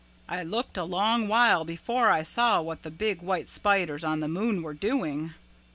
I looked a long while before I saw what the big white spiders on the moon were doing.